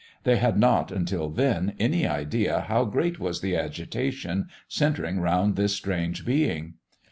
They had not, until then, any idea how great was the agitation centring around this strange being.